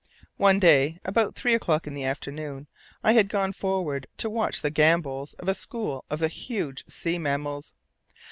One day, about three o'clock in the afternoon, I had gone forward to watch the gambols of a "school" of the huge sea mammals.